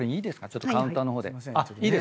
ちょっとカウンターの方で。